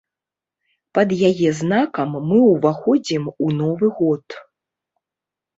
Пад яе знакам мы ўваходзім у новы год.